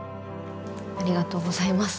ありがとうございます。